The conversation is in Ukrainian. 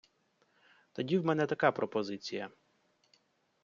Тоді в мене така пропозиція.